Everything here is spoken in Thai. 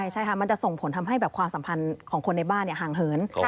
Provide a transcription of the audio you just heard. ใช่ค่ะมันจะส่งผลทำให้ความสัมพันธ์ของคนในบ้านห่างเหิน